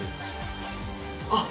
あっ！